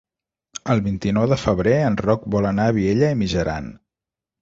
El vint-i-nou de febrer en Roc vol anar a Vielha e Mijaran.